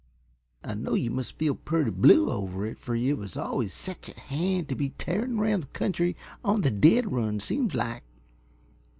I know yuh must feel purty blew over it, fer yuh was always sech a hand t' be tearin' around the country on the dead run, seems like.